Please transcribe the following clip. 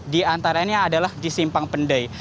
di antaranya adalah di simpang pendai